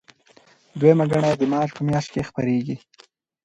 دویمه ګڼه یې د مارچ په میاشت کې خپریږي.